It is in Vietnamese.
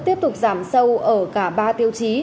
tiếp tục giảm sâu ở cả ba tiêu chí